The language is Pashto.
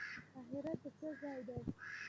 اخرت د څه ځای دی؟